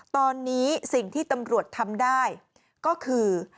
ตอนนี้สิ่งที่ตำรวจทำได้ก็คือ